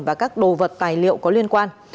và các đồ vật tài liệu có liên quan